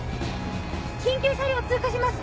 緊急車両通過します。